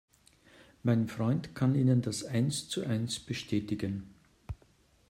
Mein Freund kann Ihnen das eins zu eins bestätigen.